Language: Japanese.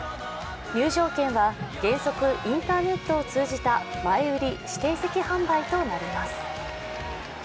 入場券は、原則インターネットを通じた前売り・指定席販売となります。